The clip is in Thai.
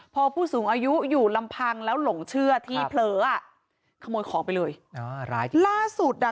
พอผู้สูงอายุอยู่ลำพังแล้วหลงเชื่อที่เผลออ่ะขโมยของไปเลยล่าสุดอ่ะ